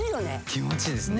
気持ちいいですね。